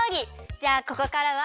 じゃあここからは。